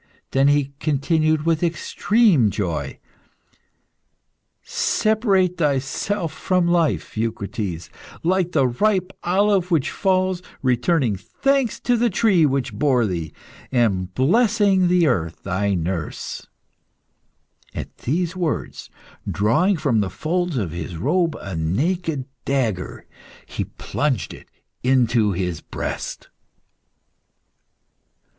Then he continued, with extreme joy "Separate thyself from life, Eucrites, like the ripe olive which falls; returning thanks to the tree which bore thee, and blessing the earth, thy nurse." At these words, drawing from the folds of his robe a naked dagger, he plunged it into his breast.